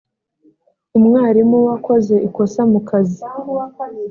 umwarimu wakoze ikosa mu kazi